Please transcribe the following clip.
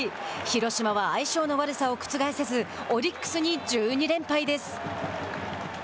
広島は相性の悪さを覆せずオリックスに１２連敗です。